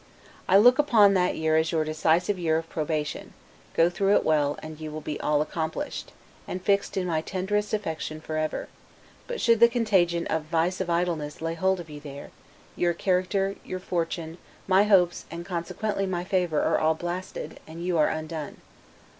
I look upon that year as your decisive year of probation; go through it well, and you will be all accomplished, and fixed in my tenderest affection forever; but should the contagion of vice of idleness lay hold of you there, your character, your fortune, my hopes, and consequently my favor are all blasted, and you are undone.